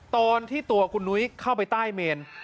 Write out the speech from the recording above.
ตอนที่ตัวคุณนุ้ยเข้าไปใต้เมน